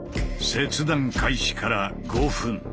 切断開始から５分。